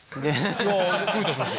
どういたしまして。